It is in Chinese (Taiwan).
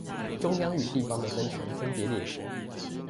中央與地方的權力分別列舉